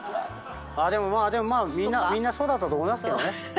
でもまあみんなそうだったと思いますけどね。